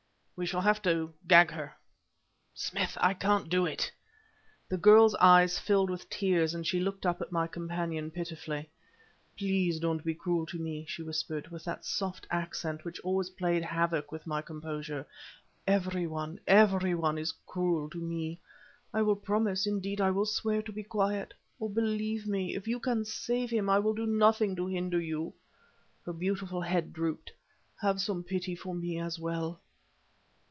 "We shall have to gag her " "Smith, I can't do it!" The girl's eyes filled with tears and she looked up at my companion pitifully. "Please don't be cruel to me," she whispered, with that soft accent which always played havoc with my composure. "Every one every one is cruel to me. I will promise indeed I will swear, to be quiet. Oh, believe me, if you can save him I will do nothing to hinder you." Her beautiful head drooped. "Have some pity for me as well."